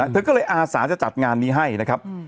เธอก็เลยอาสาจะจัดงานนี้ให้นะครับ